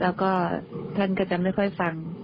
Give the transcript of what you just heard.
แล้วก็ท่านก็จะไม่ค่อยฟัง